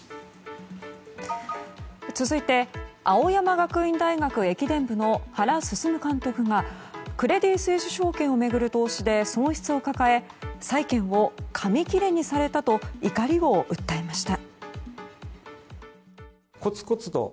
続いて青山学院大学駅伝部の原晋監督がクレディ・スイス証券を巡る投資で損失を抱え債券を紙切れにされたと怒りを訴えました。